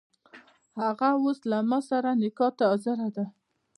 هغه اوس له ماسره نکاح ته حاضره ده.